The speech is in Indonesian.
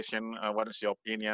di banyak negara lain di seluruh dunia